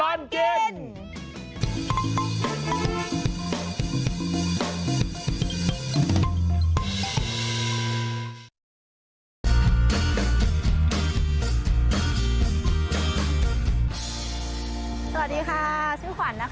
สวัสดีค่ะชื่อขวัญนะคะ